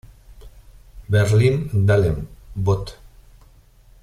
Berlin-Dahlem, Bot.